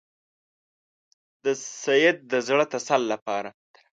د سید د زړه تسل لپاره.